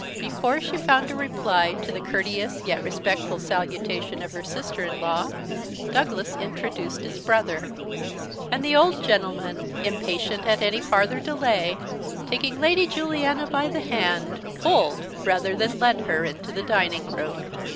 Before she found a reply to the courteous yet respectful salutation of her sister in law Douglas introduced his brother; and the old gentleman, impatient at any farther delay, taking Lady Juliana by the hand, pulled, rather than led her into the dining room.